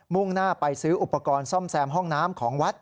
่งหน้าไปซื้ออุปกรณ์ซ่อมแซมห้องน้ำของวัด